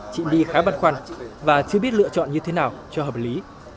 chị my khá băn khoăn và chưa biết lựa chọn như thế nào cho hợp lý